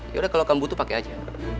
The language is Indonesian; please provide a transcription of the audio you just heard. yaudah kalau kamu butuh pakai aja